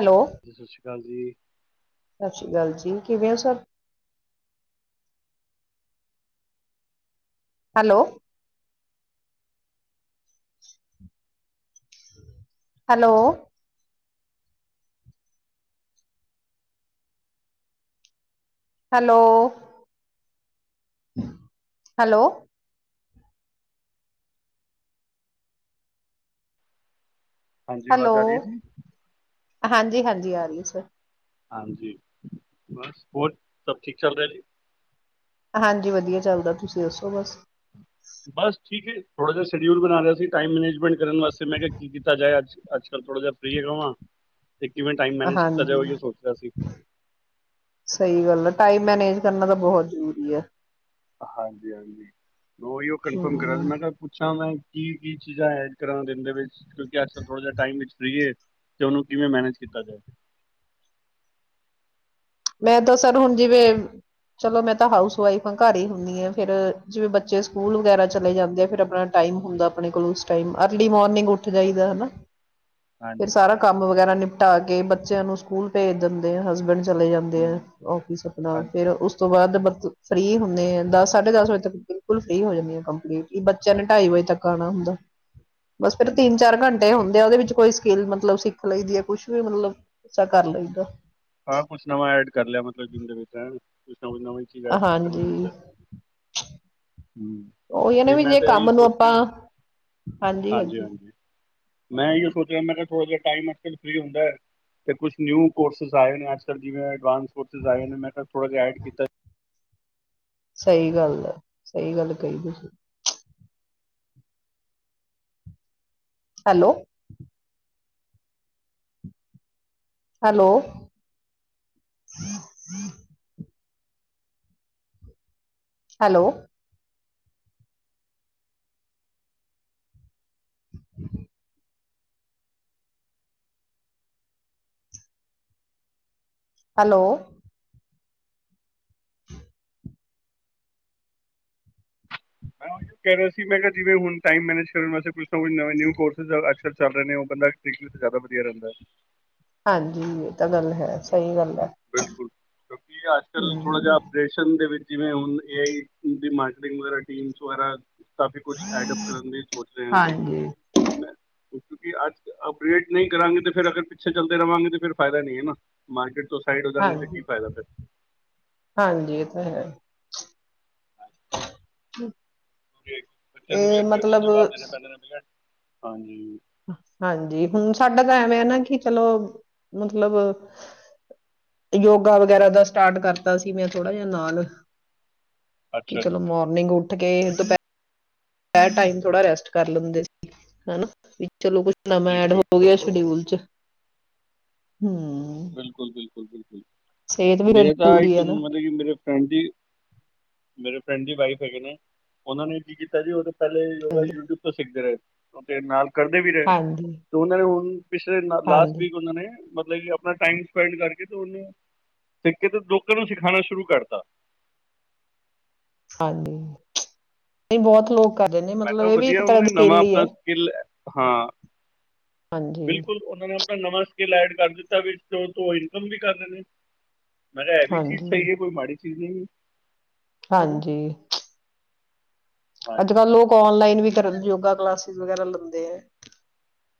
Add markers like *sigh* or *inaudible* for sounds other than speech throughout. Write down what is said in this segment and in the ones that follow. Hello ਜੀ ਸਤਿ ਸ਼੍ਰੀ ਅਕਾਲ। ਜੀ ਸਤਿ ਸ਼੍ਰੀ ਅਕਾਲ ਜੀ। ਕਿਵੇਂ ਹੋ ਸਬ? ਹੈਲੋ। ਹੈਲੋ। ਹੈਲੋ। ਹੈਲੋ। ਹਾਂਜੀ। ਆਵਾਜ਼ ਹੈਲੋ ਆ ਰਹੀ ਹੈ ਜੀ। ਹਾਂਜੀ, ਹਾਂਜੀ। ਆ ਰਹੀ ਸੀ। ਹਾਂਜੀ। ਬਸ ਹੋਰ ਸਭ ਠੀਕ ਚੱਲ ਰਿਹਾ ਜੀ। ਹਾਂਜੀ। ਵਧੀਆ ਚੱਲਦਾ ਤੁਸੀਂ ਦੱਸੋ ਬਸ। ਬਸ ਠੀਕ ਹੈ, ਥੋੜਾ ਜਿਹਾ ਸ਼ਡਿਊਲ ਬਣਾ ਰਿਹਾ ਸੀ, ਟਾਈਮ ਮੈਨੇਜਮੈਂਟ ਕਰਨ ਵਾਸਤੇ, ਮੈਂ ਕਿਹਾ ਕੀ ਕੀਤਾ ਜਾਏ ਅੱਜ- ਕੱਲ੍ਹ ਥੋੜ੍ਹਾ ਜਿਹਾ ਫ੍ਰਰੀ ਹੈਗਾ ਵਾਂ। ਤੇ ਕਿਵੇਂ ਟਾਈਮ ਮੈਨੇਜ ਕੀਤਾ ਜਾਏ ਹਾਂਜੀ। ਉਹ ਇਹ ਸੋਚ ਰਿਹਾ ਸੀ ਸਹੀ ਗੱਲ ਆ। ਟਾਈਮ ਮੈਨੇਜ ਕਰਨਾ ਤਾਂ ਬਹੁਤ ਜ਼ਰੂਰੀ ਹੈ। ਹਾਂਜੀ, ਹਾਂਜੀ। ਉਹੀ ਉਹ ਕਨਫਰਮ ਕਰਾਂ ਹਮ ਮੈਂ ਕਿਹਾ ਪੁੱਛਾਂ ਮੈਂ ਕੀ, ਕੀ ਚੀਜ਼ਾਂ ਐਡ ਕਰਾਂ ਦਿਨ ਦੇ ਵਿੱਚ। ਕਿਉਂਕਿ ਅਸਲ ਥੋੜਾ ਜਿਹਾ ਟਾਈਮ ਵਿੱਚ ਫਰੀ ਏ। ਅਤੇ ਉਹਨੂੰ ਕਿਵੇਂ ਮੈਨੇਜ ਕੀਤਾ ਜਾਏ। ਮੈਂ ਤਾਂ ਸਰ ਹੁਣ ਜਿਵੇਂ ਚਲੋ ਮੈਂ ਤਾਂ ਹਾਊਸ ਵਾਈਫ ਹਾਂ ਘਰ ਹੀ ਹੁੰਦੀ ਹਾਂ ਫੇਰ। ਜਿਵੇਂ ਹਾਂਜੀ ਬੱਚੇ ਸਕੂਲ ਵਗੈਰਾ ਚਲੇ ਜਾਂਦੇ ਫੇਰ ਆਪਣਾ ਟਾਈਮ ਹੁੰਦਾ ਆਪਣੇ ਕੋਲ ਉਸ ਟਾਈਮ ਅਰਲੀ ਮੋਰਨਿੰਗ ਉਠ ਜਾਈਦਾ। ਫਿਰ ਹਾਂਜੀ ਸਾਰਾ ਕੰਮ ਵਗੈਰਾ ਨਿਪ ਟਾ ਕੇ ਬੱਚਿਆਂ ਨੂੰ ਸਕੂਲ ਭੇਜ ਦਿੰਦੇ ਆ ਹਸਬੈਂਡ ਚਲੇ ਜਾਂਦੇ ਦੇ ਆ ਹਮ, ਆਫਿਸ ਆਪਣਾ ਹਾਂਜੀ ਫੇਰ ਹਾਂਜੀ ਉਸ ਤੋਂ ਬਾਅਦ ਫ੍ਰਰੀ ਹੁੰਦੇ ਆ ਦਸ ਸਾਢੇ ਦਸ ਵਜੇ ਤੱਕ ਬਿਲਕੁਲ ਫ੍ਰਰੀ ਹੋ ਜਾਂਦੀ ਆ ਕੰਪਲੀਟ ਵੀ ਬੱਚਿਆਂ ਨੇ ਢਾਈ ਹਾਂਜੀ ਵਜੇ ਤੱਕ ਆਉਣਾ ਹੁੰਦਾ ਬਸ ਫੇਰ ਤਿੰਨ ਹਾਂਜੀ ਚਾਰ ਘੰਟੇ ਹੁੰਦੇ ਉਹਦੇ ਵਿੱਚ ਕੋਈ ਸਕਿੱਲ ਮਤਲਬ ਸਿੱਖ ਲਈਦੀ ਹੈ ਕੁਛ ਵੀ ਮਤਲਬ ਅਛਾ ਕਰ ਲਈਦਾ ਹਾਂ ਕੁਛ ਨਵਾਂ ਐਡ ਕਰ ਲਿਆ ਮਤਲਬ ਦਿਨ ਦੇ ਵਿੱਚ ਹੈ ਬਈ ਨਵੀਂ ਨਵੀਂ ਚੀਜ਼ ਐਂਡ ਸਿੱਖਣ ਨੂੰ ਹਾਂਜੀ ਮਿਲਦਾ ਹਮ ਉਹੀ ਨੇ ਤੇ ਵੀ ਮੈਂ ਜੇ ਤਾਂ ਇਹੀ ਕੰਮ ਨੂੰ ਸੋਚ ਰਿਹਾ ਆਪਾਂ ਹਾਂਜੀ ਹਾਂਜੀ ਮੈਂ ਇਹੀਓ ਸੋਚ ਰਿਹਾ ਮੈਂ ਕਿਹਾ ਥੋੜਾ ਜਿਹਾ ਟਾਈਮ ਅੱਜ ਕਲ ਫਰੀ ਹੁੰਦਾ ਹੈ ਤੇ ਕੁਛ ਨਿਊ ਕੋਰਸ ਸਾਹਿਬ ਨੇ ਆਜਕਲ ਜੀਵੇੈਂ ਐਡਵਾਂਸ ਕੋਰਸਿਜ਼ ਆਏ ਨੇ ਮੈਂ ਤ ਥੋੜ੍ਹਾ ਜੇਹਾ ਐਡ ਕੀਤੈ ਸਹੀ ਗੱਲ ਹੈ ਸਹੀ ਗੱਲ ਕਹੀ ਤੁਸੀਂ ਹੈਲੋ ਹੈਲੋ ਹੈਲੋ ਹੈਲੋ ਮੈਂ ਕਹਿ ਰਿਹਾ ਸੀ ਮੈਂ ਕਿਹਾ ਜਿਵੇਂ ਹੁਣ ਟਾਈਮ ਮੈਨੇਜ ਕਰਨ ਵਾਸਤੇ ਕੁਜ ਨਵੇ ਨਵੇ ਨਿਯੁ ਕੋਰਸ ਅ ਚੱਲ ਰਹੇ ਨੇ ਹੋ ਉਹ ਬੰਦਾ ਸਿਖ ਦੇ ਤੇ ਜ਼ਿਆਦਾ ਵਧੀਆ ਰਹਿੰਦਾ ਹੈ ਹਾਂਜੀ ਤਾਂ ਗੱਲ ਹੈ ਹੈਨਾ ਸਹੀ ਗੱਲ ਹੈ ਬਿਲਕੁਲ ਕਿਉਂਕਿ ਅੱਜ ਕਲ ਥੋੜਾ ਹਮ ਜਿਹਾ ਅਪਡੇਸ਼ਨ ਦੇ ਵਿੱਚ ਜਿਵੇਂ ਹੁਣ ਏ ਆਈ ਦੀ ਮਾਰਕੀਟਿੰਗ ਵਗੈਰਾ ਟੀਮਸ ਵਗੈਰਾ ਕਾਫ਼ੀ ਕੁਛ ਐਡ ਅਪ ਕਰਨ ਦੀ ਸੋਚ ਰਹੇ ਹਾਂ ਅਸੀ ਹਾਂਜੀ ਮੈਂ ਕਿਉਂਕਿ ਅਜ ਅਪ ਡੇਟ ਨਹੀਂ ਕਰਾਂਗੇ ਤੇ ਫਿਰ ਅਗਰ ਪਿੱਛੇ ਚਲਦੇ ਰਵਾਂਗੇ ਤਾਂ ਫਿਰ ਫਾਇਦਾ ਨਹੀਂ ਹੈ ਨਾ ਮਾਰਕੀਟ ਤੋਂ ਸਾਈਡ ਹੋ ਜਾਾਂਗੇ ਤਾਂ ਹਾਂਜੀ ਕੀ ਫਾਇਦਾ ਫਿਰ ਹਾਂਜੀ ਇਹ ਤਾਂ ਹੈ ਹਮ ਕਿਉਕਿ ਬੱਚਿਆਂ ਨੂੰ ਵੀ ਅੱਗੇ ਹੁਣ ਜਵਾਬ ਦੇਣੇ ਪੈਂਦੇ ਨੇ ਬਈ ਐ ਹਾਂਜੀ ਹਾਂਜੀ ਹੁਣ ਸਾਡਾ ਤਾਂ ਐਵੇ ਹੈ ਨਾ ਕਿ ਚਲੋ ਮਤਲਬ, ਯੋਗਾ ਵਗੈਰਾ ਦਾ ਸਟਾਰਟ ਕਰਤਾ ਸੀ ਮੈਂ ਥੋੜਾ ਜਿਹਾ ਨਾਲ। ਕਿ ਅੱਛਾ ਜੀ ਚਲੋ ਮੋਰਨਿੰਗ ਉ ਉੱਠ ਕੇ ਦੁਪਹਿਰ ਹੈ ਟਾਈਮ ਥੋੜਾ, ਰੈਸਟ ਕਰ ਲੈਂਦੇ ਸੀ, ਹੈਨਾ। ਚਲੋ ਕੁੱਛ ਨਵਾਂ ਠੀਕ ਐਡ ਹੈ ਹੋ ਠੀਕ ਗਿਆ, ਹੈ ਸ਼ਡਿਊਲ ਚ। ਹਮ ਬਿਲਕੁਲ-ਬਿਲਕੁਲ-ਬਿਲਕੁਲ ਸਿਹਤ ਵੀ ਫਿਰ ਮੇਰੇ ਤਾਂ ਇੱਕ ਜ਼ਰੂਰੀ ਹੈ ਨਾ ਮਤਲਬ ਕਿ ਮੇਰੇ ਫਰੈਂਡ ਦੀ ਮੇਰੇ ਫਰੈਂਡ ਦੀ ਵਾਈਫ ਹੈਗੇ ਨੇ, ਉਹਨਾਂ ਨੇ ਕੀ ਕੀਤਾ ਜੀ ਉਹਦੇ ਪਹਿਲੇ ਯੋਗਾ ਹਾਂਜੀ ਯੂਟਿਊਬ ਤੋਂ ਸਿਖਦੇ ਰਹੇ। ਉਹ ਫੇਰ ਨਾਲ ਕਰਦੇ ਵੀ ਰਹੇ, ਹਾਂਜੀ ਤੇ ਉਹਨਾਂ ਨੇ ਹੁਣ ਪਿਛਲੇ ਲ ਲਾਸਟ ਹਾਂਜੀ ਵੀਕ ਉਹਨਾਂ ਨੇ ਮਲ ਲਈ ਅਪ ਆਪਣਾ ਟਾਈਮ ਸਪੈਂਡ ਕਰਕੇ ਤੇ ਉਹਨੂੰ, ਸਿੱਖ ਕੇ ਤੇ ਲੋਕਾਂ ਨੂੰ ਸਿਖਾਉਣਾ ਸ਼ੁਰੂ ਕਰਤਾ। ਹਾਂਜੀ, ਨਹੀਂ ਬਹੁਤ ਲੋਕ ਕਰਦੇ ਨੇ ਮੈ ਮਤਲਬ ਕਿਹਾ ਇਹ ਵੀ ਇੱਕ ਵਧੀਆ ਉਹਨਾਂ ਤਰ੍ਹਾਂ ਨੇ ਦੀ ਨਵਾਂ ਸਕੇਲ ਹੀ ਹੈ ਆਪਣਾ ਸਕਿੱਲ, ਹਾਂ ਹਾਂਜੀ ਬਿਲਕੁਲ, ਉਹਨਾਂ ਨੇ ਆਪਣਾ ਨਵਾਂ ਡੀਲਾਇਟ ਕਰ ਦਿੱਤਾ ਵੀ ਟੋ ਤੂੰ ਇਨਕਮ ਵੀ ਕਰਦੇ ਨੇ। ਮੈਂ ਕਿਹਾ ਏਹ ਵੀ ਚੀਜ਼ ਹਾਂਜੀ ਸਹੀ ਏ, ਕੋਈ ਮਾੜੀ ਕੇ ਨਹੀਂ? ਹੈਨਾ ਹਾਂਜੀ। ਅੱਜ ਹਾਂਜੀ ਕੱਲ੍ਹ ਹਾਂਜੀ ਲੋਕ ਔਨਲਾਈਨ ਵੀ ਠੀਕ ਕਰਨ, ਹੈ ਯੋਗਾ ਕਲਾਸਿਸ ਵਗੈਰਾ ਲਨ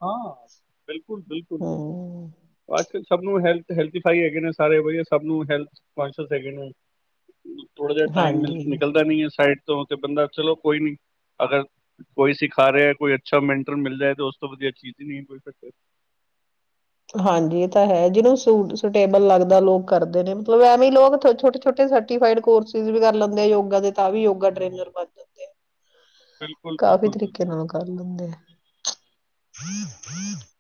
ਹਾਂ ਬਿਲਕੁਲ-ਬਿਲਕੁਲ-ਬਿਲਕੁਲ ਹਮ ਜ ਕੱਲ ਸਭ ਨੂੰ ਹੈਲਥ ਹੈਲਥੀਫਾਈਡ ਹੈਗੇ ਨੇ, ਸਾਰੇ ਵਧੀਆ ਸਭ ਨੂੰ ਹੈਲਥ ਕੋਨਸ਼ੀਅਸ ਹੈਗੇ ਨੇ। ਥੋੜਾ ਜਿਹਾ ਟਾਈਮ ਮਿਲ ਹਾਂਜੀ ਨਿਕਲਦਾ ਨੀ ਹੈ ਸਾਈਡ ਤਯੋ ਤੇ ਬੰਦਾ ਚਲੋ ਕੋਈ ਨਹੀਂ, ਅਗਰ ਕੋਈ ਸਿਖਾ ਰਿਹਾ ਏ, ਕੋਈ ਅੱਛਾ ਮੈਂਟਰ ਮਿਲ ਜਾਏ ਤਾਂ ਉਸ ਉਸ ਤੋਂ ਵਧੀਆ ਚੀਜ਼ ਹੀ ਨਹੀਂ ਕੋਈ ਫਿਰ ਤੇ। ਹਾਂਜੀ, ਇਹ ਤਾਂ ਹੈ, ਜਿਦੋਂ ਸੁ ਸੁਟੇਬਲ ਲੱਗਦਾ ਲੋਕ ਕਰਦੇ ਨੇ, ਮਤਲਬ ਐਵੇਂ ਲੋਗ ਛੋਟੇ-ਛੋਟੇ ਸਰਟੀਫਾਈਡ ਕੋਰਸਿਸ ਵੀ ਕਰ ਲੈਂਦੇ ਆ ਯੋਗਾ ਦੇ ਤਾਂ ਵੀ ਉਹ ਯੋਗਾ ਟਰੇਨਰ ਬਣ ਜਾਂਦੇ ਐ, ਬਿਲਕੁਲ ਕਾਫੀ ਬਿਲਕੁਲ ਤਰੀਕੇ ਬਿਲਕੁਲ ਨਾਲ ਉਹ ਕਰ ਹੁੰਦੇ ਐ।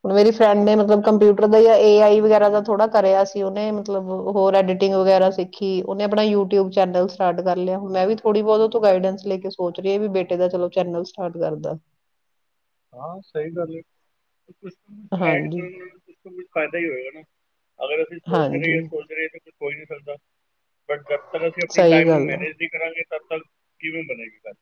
ਹੁਣ ਮੇਰੀ ਫਰੈਂਡ ਨੇ ਮਤ ਜ਼ਰੂਰ ਕੰਪਿਊਟਰ ਦਾ ਯਾ ਏ ਆਈ ਵਗੈਰਾ ਦਾ ਥੋੜਾ ਕਰਿਆ ਸੀ ਉਹਨੇ, ਮਤਲਬ ਹੋਰ ਐਡੀਟਿੰਗ ਵਗੈਰਾ ਸਿੱਖੀ, ਉਹਨੇ ਆਪਣਾ ਯੂ ਟਿਊਬ ਚੈਨਲ ਸਟਾਰਟ ਕਰ ਲਿਆ। ਮੈਂ ਵੀ ਥੋੜੀ ਬਹੁਤ ਓਥੋਂ ਗਾਈਡੈਂਸ ਲੇ ਕੇ ਸੋਚ ਸੋਚ ਰਹੀ ਏ, ਬੀ ਬੇਟੇ ਦਾ ਚਲੋ ਚੈਨਲ ਸਟਾਰਟ ਕਰ ਦਾ। ਹਾਂ, ਸਹੀ ਗੱਲ ਏ। ਕੁਛ *inaudible* ਕੁਛ ਐਡ ਹਾਂਜੀ ਕਰਨਨਾ ਕੁ ਕੁਛ ਫਾਇਦਾ ਹੀ ਹੋਏਗਾ ਨਾ ਅਗਰ ਅਸੀਂ ਸੋਚ ਰਹੀ ਹਾਂ ਹਾਂਜੀ ਸੋਚ ਰਹੇਾਂ ਤੇ ਕੁ *inaudible* ਕੋਈ ਨਹੀਂ ਫਦਾ ਬਟ ਜਦ ਤੱਕ ਅਸੀਂ ਆਪਣੇ ਸਹੀ ਟਾਈਮ ਨੂੰ ਗੱਲ ਆ ਮੈਨੇਜ ਨਹੀਂ ਕਰਾਂਗੇ, ਤ ਕਿਵੇਂ ਬਣੇਗੀ ਗੱਲ?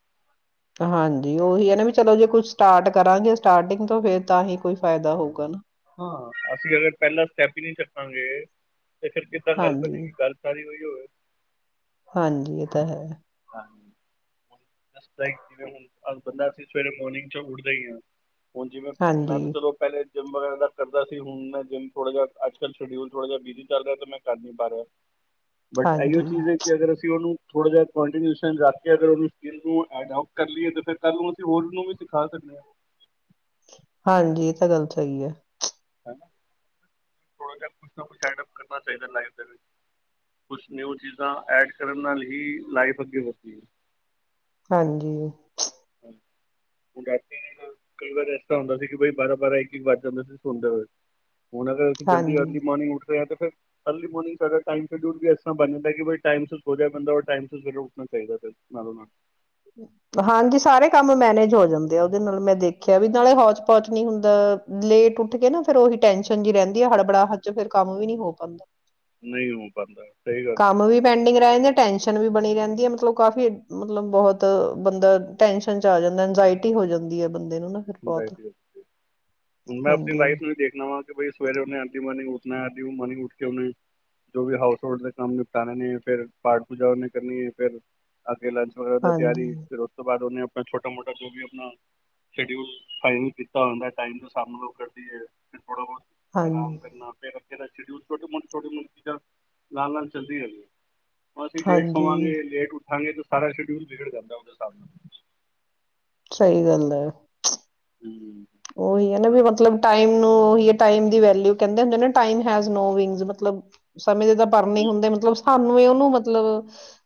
ਹਾਂਜੀ, ਉਹੀ ਹੈ ਨਾ ਵੀ ਚਲੋ, ਜੇ ਕੁਛ ਸਟਾਰਟ ਕਰਾਂਗੇ ਸਟਾਰਟਿੰਗ ਤੋਂ ਫਿਰ ਤਾਂ ਹੀ ਕੋਈ ਫਾਇਦਾ ਹੋਊਗਾ ਨਾ। ਹਾਂ, ਅਸੀਂ ਅਗਰ ਪਹਿਲਾਂ ਸਟੈਪ ਹੀ ਨਹੀਂ ਚੱਕਾਂਗੇ ਤੇ ਫ਼ਿਰ ਕਿੱਦਾਂ ਗੱਲ ਹਾਂਜੀ ਬਨੇਗੀ? ਗੱਲ ਸਾਰੀ ਉਹੀ ਹੋਵੇ ਹਾਂਜੀ, ਇਹ ਤਾਂ ਹੈ। ਜਿਵੇਂ ਹੁ ਬੰਦਾ ਅਸੀਂ, ਸਵੇਰੇ ਮੋਰਨਿੰਗ ਚੋਂ ਉੱਠਦੇ ਹੀ ਹਾਂ। ਹੁਣ ਜਿਵੇਂ ਮੈਂ ਤਾਂ ਹਾਂਜੀ ਚਲੋ ਪਹਿਲੇ ਚ *inaudible* ਕਰਦਾ ਸੀ, ਹੁਣ ਮੈ ਜਿਮ ਥੋੜਾ ਜਿਹਾ ਅੱਜ- ਕੱਲ੍ਹ ਸ਼ਡਊਲ ਥੋੜਾ ਜਿਹਾ ਬਿਜ਼ੀ ਚੱਲ ਰਿਹਾ ਤੇ ਮੈਂ ਕਰ ਨੀ ਪਾ ਰਿਹਾ। ਬਟ ਇਹੀਓ ਹਾਂਜੀ ਚੀਜ਼ ਹੈ ਕਿ, ਅਗਰ ਅਸੀਂ ਉਹਨੂੰ ਥੋੜਾ ਜਹਾਡੋ ਕਰ ਲਈਏ ਫਰ ਕੱਲ ਨੂੰ ਅਸੀ ਹੋਰ ਵੀ ਸਿਖਾ ਸਕਦੇ ਹ *inaudible* ਹਾਂਜੀ, ਇਹ ਤਾਂ ਗੱਲ ਸਹੀ ਹੈ। ਥੋੜਾ ਜਹਾ ਕੁਛ ਨਾ ਕੁਛ ਐਡਪ ਕਰਨਾ ਚਾਹੀਦਾ ਲਾਈਫ ਦੇ ਵਿੱਚ, ਕੁਛ ਨਿਊ ਚੀਜ਼ਾਂ ਐਡ ਕਰਨ ਨਾਲ ਹੀ ਲਾਈਫ ਅੱਗੇ ਵਦਦੀ ਹੈ। ਹਾਂਜੀ। ਹੁਣ ਰਾਤੀ ਕਈ ਵਾਰ ਐਸਾ ਹੁੰਦਾ ਸੀ, ਕਿ ਬਾਈ ਬਾਰਾਂ -ਬਾਰਾਂ ਇੱਕ -ਇੱਕ ਵੱਜ ਜਾਂਦੇ ਸੀ ਸੋੰਦੇ ਹੋਏ। ਹੁਣ ਅਰ ਅਸੀ ਜਲਦੀ ਹਾਂਜੀ ਅਰਲੀ ਮੋਨਿੰਗ ਫਿਰ ਅਰਲੀ ਮੋਰਨਿੰਗ ਸਾਡਾ ਟਾਈਮ ਸ਼ਡਲ ਵੀ ਇਸ ਤਰ ਬਣ ਜਾਂਦਾ, ਟਾਈਮ ਹੋ ਜਾਏ ਬੰਦਾ ਟਮ ਫ ਉੱਠਣਾ ਚਾਹੀਦਾ ਫਿਰ ਨਾਲੋਂ ਨਾਲ ਹਾਂਜੀ, ਸਾਰੇ ਕੰਮ ਮੈਨੇਜ ਹੋ ਜਾਂਦੇ ਆ, ਉਹਦੇ ਨਾਲ ਮੇਰੇ ਦੇਖਿਆ ਵੀ ਨਾਲੇ ਹੌਚ -ਪੌਚ ਨੀ ਹੁੰਦਾ ਲੇਟ ਉੱਠ ਕੇ ਨਾ ਫਿਰ ਉਹੀ ਟੈਂਨਸ਼ਨ ਜੀ ਰਹਿੰਦੀ ਆ, ਹੜਬੜਾ ਚ ਫੇਰ ਕੰਮ ਵੀ ਨਹੀਂ ਹੋ ਪਾਉਂਦਾ। ਨਹੀਂ ਹੋ ਪਾੰਦਾ। ਕੰਮ ਵੀ ਪੈਂਡਿੰਗ ਰਹਿੰਦੇ ਟੈਂਸ਼ਨ ਵੀ ਬਣੀ ਰਹਿੰਦੀ ਹੈ, ਮਤਲਬ ਕਾਫੀ ਮਤਲਬ ਬਹੁਤ ਬੰਦਾ ਟੈਸ਼ਨ ਚ ਆ ਜਾਂਦਾ ਇੰਜਾਇਟੀ ਹੋ ਜਾਂਦੀ ਹੈ। ਬੰਦੇ ਨੂੰ ਨਾ ਫਿਰ ਬਹੁਤ ਮੈਂ ਆਪਣੀ ਹਾਂਜੀ, ਲਾਈਫ ਨੂੰ ਵੀ ਦੇਖਣਾ, ਹ ਕਿ ਬ ਸਵੇਰੇ ਉਹਨੇ ਅਰਲੀ ਮਾਰਨਿੰਗ ਉੱਠਨਾ ਐ। ਮਨੀ ਉੱਠ ਕੇ ਉਹਨੇ ਜੋ ਵੀ ਹਾਊਸ ਹੋਲਡ ਦੇ ਕੰਮ ਨਿਪਟਾਣੇ ਨੇ ਫਿਰ ਪਾਠ ਪੂਜਾ ਉਹਨੇ ਕਰਨੀ ਹੈ, ਫਿਰ ਲੰਚ ਵਗੈਰਾ ਦਾ ਹਾਂਜੀ, ਤਿਆਰੀ, ਫਿਰ ਉਸ ਤੋਂ ਬਾਅਦ ਉਹਨੇ ਛੋਟਾ -ਮੋਟਾ ਜੋ ਵੀ ਆਪਣਾ ਸ਼ਡਿਊਲ ਫਾਈਨਲ ਕੀਤਾ ਹੁੰਦਾ, ਟਾਇਮ ਦਾ ਸਾਹਬ ਕਰਦੀ ਹੈ। ਥੋੜਾ ਬਹੁਤ ਹਾਂਜੀ, ਆਰਾਮ ਕਰਨਾ ਫਿਰ ਜਿਹੜ ਸ਼ਊ ਛੋਟੇ ਮੋਟ ਛੋਟਟੀ ਮੋ ਚੀਜ਼ਾਂ ਲਾਲ ਲਾਲ ਚੱਲਦੀ ਰਈ *inaudible* ਮ ਡੇਟ ਸੋਾਂ ਹਾਂਜੀ ਲੇਟ ਉ *inaudible* ਸਾਰਾ ਸ਼ਡਿਊਲ ਵਿਗੜ ਜਾਂਦਾ, ਉਹਦੇ ਹਿਸਾਬ ਨਾਲ। ਸਹੀ ਗੱਲ ਹੈ ਹਮ, ਉਹੀ ਹੈ ਨਾ ਵੀ ਮਤਲਬ ਟਾਈਮ ਨ ਉਹੀ ਟਮ ਦੀ ਵੈਲਊ ਕਹਿੰਦੇ ਹੁੰ ਨਾ ਟਮ ਹੈਜ ਨੋ ਵਿੰਗ ਮਤਲਬ ਸਮੇਂ ਦੇ ਤਾਂ ਪਰ ਨਹੀਂ ਹੁੰਦੇ ਮਤਲਬ ਸਾਨੂੰ ਉਹਨੂੰ ਮਤਲਬ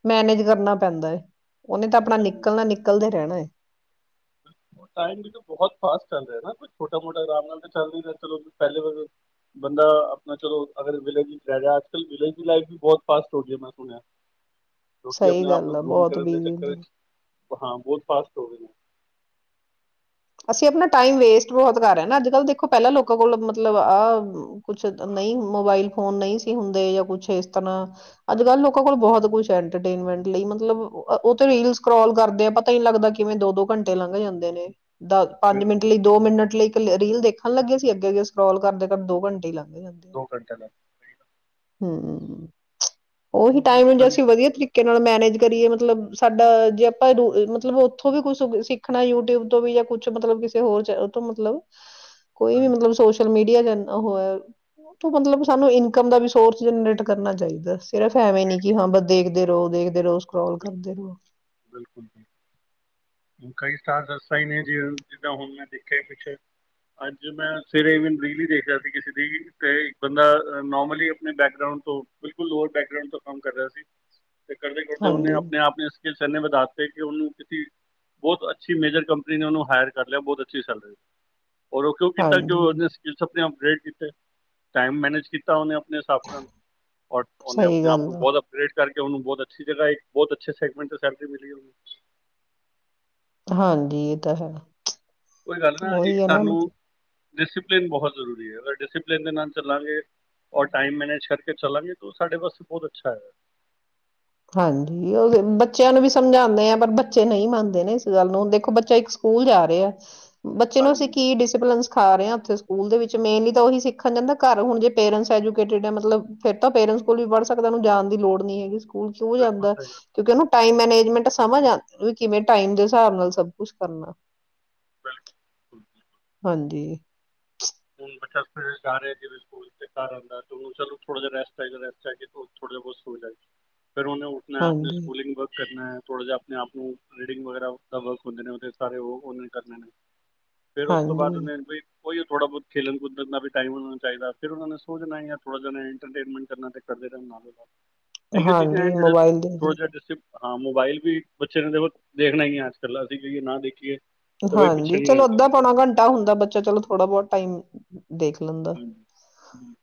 ਮੈਨੇਜ ਕਰਨਾ ਪੈਂਦਾ ਹੈ ਉਹਨੇ ਤਾਂ ਆਪਣਾ ਨਿਕਲਣਾ ਨਿਕਲਦੇ ਰਹਿਣਾ ਹੈ ਟਮ ਵੀ ਬਹੁਤ ਫਾਸਟ ਚੱਲ ਰਿਹਾ ਕੋ ਛੋਟਾ ਮੋਟਾ ਆਰਾਮ ਨਾਲ ਤਾਂ ਚੱਲ ਰ ਚਲੋ ਪਹਿਲੇ ਵ ਬੰਦਾ ਆਪਣਾ ਚਲੋ ਅਗਰ ਵਿਲੇਜ ਵਿੱਚ ਰਹਿ ਰਿ ਅੱਜ ਕੱਲ ਵਿਲੇਜ ਦੀ ਲਾਈਫ ਵੀ ਬਹੁਤ ਫਾਸਟ ਹੋ ਗਈ ਹੈ ਮੈਂ ਸੁਣਿਆ ਲੋਕੀ ਸਹੀ ਆਪਣੇ ਆਪ ਗੱਲ ਨੂੰ ਆ ਗਰੂਮ ਬਹੁਤ ਕਰਨ ਦੇ ਬਿਜੀੀ ਚੱਕਰ ਹੁੰ ਵਿੱਚ ਹਾਂ ਬਹੁਤ ਫਾਸਟ ਹੋ ਗਈ ਹੈ ਅਸੀਂ ਆਪਣਾ ਟਾਈਮ ਵੇਸਟ ਬਹੁਤ ਕਰ ਰਹੇਾਂ ਨਾ ਅੱਜ ਕੱਲ੍ਹ ਦੇਖੋ ਪਹਿਲਾਂ ਲੋਕਾਂ ਕੋਲ ਮਤਲਬ ਆਹ ਕੁਛ ਨਹੀਂ ਮੋਬਾਈਲ ਫੋਨ ਨਹੀਂ ਸੀ ਹੁੰਦੇ ਜਾਂ ਕੁਛ ਇਸ ਤਰ੍ਹਾਂ ਅੱਜ ਹਾਂ ਕੱਲ੍ਹ ਲੋਕਾਂ ਕੋਲ ਬਹੁਤ ਕੁਛੇਨਮੈਂਟ ਲਈ ਮਤਲਬ ਉਹ ਰੀਲ ਕਰੋਲ ਕਰਦੇ ਆ ਪਤਾ ਨੀ ਲੱਗਦਾ ਕਿਵੇਂ ਦੋ ਦੋ ਘੰਟੇ ਲੰਘ ਜਾਂਦੇ ਨੇ ਦ ਪੰਜ ਮਿੰਟ ਬਿਲਕੁਲ ਲਈ ਦੋ ਮਿੰਟ ਲਈ ਰੀਲ ਦੇਖਣ ਲੱਗਿਆ ਸੀ ਅੱਗੇ ਅੱਗੇ ਸਕੋਲ ਕਰ ਦੋੰਟੇ ਹੀ ਲੱ ਦੋ ਘੰਟੇ ਦਾ ਹਮਮ ਉਹੀ ਟਾਈਮੇ ਅਸੀਂ ਵਧੀਆ ਤਰੀਕੇ ਨਾਲ ਮੈਨੇਜ ਕਰੀਏ ਮਤਲਬ ਸਾਡਾ ਜੇ ਆਪਾਂੂ ਮਤਲਬ ਉੱਥੋਂ ਵੀ ਕੁੱਛ ਸਿੱਖਣਾ ਯੂਟਿਊਬ ਤੋਂ ਵੀ ਜਾਂ ਕੁਛ ਮਤਲਬ ਕਿਸੇ ਹੋਰ ਜ ਤੋਂ ਮਤਲਬ ਕੋਈ ਵੀ ਹਾਂਜੀ ਮਤਲਬ ਸੋਸ਼ਲ ਮੀਡੀਆ ਵਧ ਉਹ ਹੈ ਉਹ ਮਤਲਬ ਸਾਨੂੰ ਇਨਕਮ ਦਾ ਵੀ ਸੋਰਸ ਜਨਰੇਟ ਕਰਨਾ ਚਾਹੀਦਾ ਸਿਰਫ ਐਵੇਂ ਨੀ ਲੇਟ ਕੇ ਕਿ ਹਾਂ ਬਾਅਦ ਬ ਦੇਖਦੇ ਰਹੋ ਦੇਖਦੇ ਰੋਜ਼ ਕਰੋਲ ਬਿਲਕੁਲ- ਕਰਦੇ ਰਹੋ ਬਿਲਕੁਲ ਜ ਕਈ ਸਟਾਰ ਦਸਾਂ ਹੀ ਨੇ ਜ ਜਿੱਦਾਂ ਹੁਣ ਮੈਂ ਦੇਖਿਆ ਪਿੱਛੇ ਅੱਜ ਮੈਂ ਸਵੇਰੇ ਈਵਨ ਰੀਲ ਹੀ ਦੇਖ ਰਿਹਾ ਸੀ ਕਿਸੇ ਦੀ ਤੇ ਇੱਕ ਬੰਦਾ ਨੋਰਮਲੀ ਆਪਣੇ ਬੈਕਗ੍ਰਉਂਡ ਤੋਂ ਬਿਲਕੁਲ ਲੋਅਰ ਬੈਕਗਉਂਡ ਤੋਂ ਕੰਮ ਕਰ ਰਿਹਾ ਸੀ ਤੇ ਕਰਦੇ ਕਰਦੇ ਉਹਨੇ ਹਾਂਜੀ ਆਪਣੇ ਆਪ ਨੇ ਵਧਾ ਉਹਨੂੰ ਬਹੁਤ ਅੱਛੀ ਮੇਜਰ ਕੰਪਨੀ ਨੇ ਉਹਨੂੰ ਹਾਇਰ ਕਰ ਲਿਆ ਬਹੁਤ ਅੱਛੀ ਸੈਲਰੀ ਔਰ ਉਹ ਕਿਉਂ ਕੀਤਾ ਕਿ ਹਾਂਜੀ ਉਹਨੇ ਅਗ੍ਰਡ ਕੀਤੇ ਟਾਈਮ ਮੈਨੇਜ ਕੀਤਾ ਉਹਨੇ ਆਪ ਆਪ ਔਰ ਉਹਨੇ ਸਹੀ ਆਪਣੇ ਆਪ ਗੱਲ ਨੂੰ ਆ ਬਹੁਤ ਅਪਗ੍ਰਡ ਕਰਕੇ ਨੂੰ ਬਹੁਤ ਅੱਛੀ ਜਗਾ ਇੱਕ ਬਹੁਤ ਅੱਛ ਸੈਗਮੈਂਟ ਚਰੀ ਮਿਲੀਗੀਨ ਹਾਂਜੀ ਇਹ ਤਾਂ ਹੈ ਕੋਈ ਗੱਲ ਨਾ ਇੱਕ ਉਹੀ ਹੈ ਨਾ ਸਾਨੂੰ ਡਿਸਿਪਲਿਨ ਬਹੁਤ ਜ਼ਰੂਰੀ ਹੈ ਅਗਰ ਡਿਸਪਲਿਨ ਦੇ ਨਾਲ ਚੱਲਾਂਗੇ ਔਰ ਟਾਈਮ ਮੈਨੇਜ ਕਰਕੇ ਚੱਲਾਂਗੇ ਤਾਂ ਉਹ ਸਾਡੇ ਵਾਸਤੇ ਬਹੁਤ ਅੱਛਾ ਹੈ ਹਾਂਜੀ ਉਹ ਬੱਚਿਆਂ ਨੂੰ ਵੀ ਸਮਝਾਉਂਦੇ ਆ ਪਰ ਬੱਚੇ ਨਹੀਂ ਮੰਨਦੇ ਨੇ ਇਸ ਗੱਲ ਨੂੰ ਦੇਖੋ ਬੱਚਾ ਇੱਕ ਸਕੂਲ ਜਾ ਰਿਹਾ ਆ ਬੱਚੇ ਨੂੰ ਅਸੀਂ ਹਾਂਜੀ ਕੀ ਡਿਸਪਲਨ ਸਿਾ ਰਹੇ ਹਾਂ ਉੱਥੇ ਸਕੂਲ ਦੇ ਵਿੱਚ ਮੇਨਲੀ ਤਾਂ ਉਹੀ ਸਿੱਖਣ ਜਾਂਦਾ ਘਰ ਹੁਣ ਜੇ ਪੇਰੈਂਟਸ ਐਜੂਕੇਟਿਡ ਆ ਮਤਲਬ ਫਿਰ ਤਾਂ ਪੇਰੈਂਟਸ ਕੋਲ ਵੀ ਪੜ੍ਹ ਸਕਦਾ ਉਹਨ ਜਾਣ ਦੀ ਲੋੜ ਨ ਨਹੀਂ ਹੈਗੀ *inaudible* ਓ ਸਕੂਲ ਬਿਲਕੁਲ ਜਾਦਾ ਸਹੀ ਗੱਲ ਕਿਉਂ ਕਿ, ਟਾਈਮ ਮੈਨੇਜ ਸਮਝ ਆ ਕਿਵੇਂ ਟਾਈਮ ਦੇ ਹਿਸਾਬ ਨਾਲ ਬਿਲਕੁਲ। ਹਾਂਜੀ, ਹੁਣ ਬੱਚਾ ਜਾ ਰਿਹਾ ਜਿਵੇ ਸਕੂਲ, ਤੇ ਘਰ ਆਂਦਾ ਤੇਥੋੜਾ ਜਿਹਾ ਰੈਸਟ ਚਾਹੀਦਾ ਤਾ ਕੇ ਥੋੜਾ ਹੌਰ ਸਕੂਨ ਲਏ। ਫਿਰ ਓਨੇ ਉੱਠਣਾ, ਆਪਣੇ ਹਾਂਜੀ ਸਕੂਲਿੰਗ ਵਰਕ ਕਰਨਾਂ। ਥੋੜਾ ਜ ਆਪਣੇ ਆਪ ਨੂੰ ਰੀਡਿੰਗ ਵਗੈਰਾ ਦਾ ਵਰਕ ਹੁੰਦੇ ਨੇ, ਸਾਰੇ ਉਹ ਕਰਨੇ ਨੇ। ਫੇਰ ਉਸ ਤੋਂ ਬਾਅਦ ਹਾਂਜੀ ਉਹਨੇ ਬਈ ਕੋਈ ਥੋੜ੍ਹਾ ਬਹੁਤ? ਖੇਲਣ ਕੁਦਣ ਦਾ ਵੀ ਟਾਈਮ ਹੋਣਾ ਚਾਹੀਦਾ, ਫਿਰ ਉਹਨਾ ਨੇ ਸੋਜਾਣਾ ਹੀ ਐ ਥੋੜਾ ਜਿਹਾ ਲੇਟ! ਹਾਂਜੀ, ਮੋਬਾਈਲ ਦੇਖ ਰਹੀ। ਡਿਸਟਿਪ ਹਾਂ ਮੋਬਾਇਲ ਵੀ ਬੱਚੇ ਨੇ ਦੇਖੋ ਦੇਖਣਾ ਹੀ ਹੈ ਅੱਜ ਕੱਲ੍ਹ ਅਸੀਂ ਕਈਏ ਨਾ ਦੇਖੀਏ *inaudible* ਬਈ ਪਿੱਛੇ ਹਾਂਜੀ, ਨਹੀਂ ਰਹਿ ਚਲੋ ਅੱਧਾ ਸਕਦੇ ਨਾ ਪੌਣਾ ਘੰਟਾ ਹੁੰਦਾ ਬੱਚਾ ਚਲੋ ਥੋੜਾ ਦੇਖ ਲੈਂਦਾ। ਹਾਂਜੀ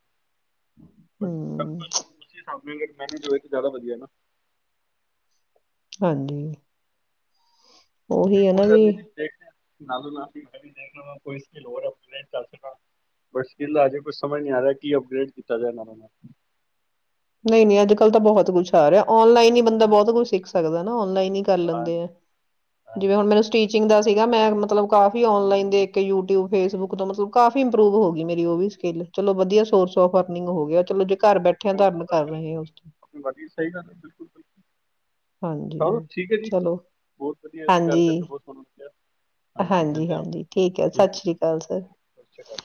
ਬਟ ਸਭ ਕੁਝ ਉਸੇ ਹਿਸਾਬ ਮੈਨੇਜ ਹੋਏ ਤੇ ਜ਼ਿਆਦਾ ਵਧੀਆ ਨਾ? ਹਾਂਜੀ, ਉਹੀ ਹੈ ਨਾ ਕੋਈ ਗੱਲ ਵੀ ਨਹੀਂ ਜੀ ਦੇਖ ਰਿਹਾ! ਜੇ ਕੁ ਸਮ ਨ ਆ ਰਿਹਾਡ ਕੀਤਾ ਜਾ *inaudible* ਨਹੀਂ ਨਹੀਂ, ਅੱਜ ਕੱਲ ਤਾਂ ਬਹੁਤ ਕੁਛ ਆ ਰਿਹਾ! ਔਨਲਾਈਨ ਹੀ ਬੰਦਾ ਬਹੁਤ ਕੁਛ ਸਿੱਖ ਸਕਦਾ ਹੈਂ ਨਾ ਔਨਲਾਈਨ ਕਰ ਲੈਂਦੇ ਹਾਂਜੀ ਆ! ਜਿਵੇਂ ਹੁਣ ਹਾਂਜੀ ਮੇਰੇ ਸਟੀਚਿੰਗ ਦਾ ਸੀਗਾ ਮੈਂ ਮਤਲਬ ਕਾਫੀ ਔਨਲਾਈਨ ਦੇ ਇੱਕ ਯੂਟਿਊਬ ਫੇਸਬੁੱਕ ਤੋਂ ਮਤਲਬ ਕਾਫੀ ਇੰਪਰੂਵ ਹੋ ਗਈ ਮੇਰੀ ਉਹ ਵੀ ਸਕਿੱਲ ਚਲੋ ਵਧੀਆ ਸੋਰਸ ਆਫ ਅਰਨਿੰਗ ਹੋ ਗਿਆ ਚਲੋ ਘਰ ਬੈਠਿਆਂ ਹੋਰ ਧਰਮ। ਸੁਣਾ ਕਰ ਕਿਉਂ? ਰਹੇ ਹੋ ਉਸ ਤੋਂ ਆਪਣੀ ਬਾਕੀ ਸਹੀ ਗੱਲ ਹੈ ਬਿਲਕੁਲ ਬਿਲਕੁਲ ਚਲੋ ਹਾਂਜੀ, ਠੀਕ ਹੈ ਜੀ ਚਲੋ ਬਹੁਤ ਵਧੀਆ ਜੀ ਗੱਲ ਹਾਂਜੀ, ਕਰਕੇ ਬਹੁਤ ਸੋਹਣਾ ਲੱਗਿਆ ਹਾਂਜੀ, ਮਿਲਦੇ ਹਾਂ ਫਿਰ ਹਾਂਜੀ ਠੀਕ ਹੈ ਸਤਿ ਜੀ ਸ਼੍ਰੀ ਅਕਾਲ, ਸਰ। ਸਤਿ ਸ਼੍ਰੀ ਅਕਾਲ